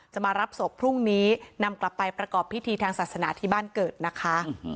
มารับศพพรุ่งนี้นำกลับไปประกอบพิธีทางศาสนาที่บ้านเกิดนะคะ